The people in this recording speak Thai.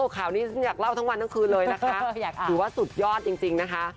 ข่าวนี้ฉันอยากเล่าทั้งวันทั้งคืนเลยนะคะถือว่าสุดยอดจริงนะคะ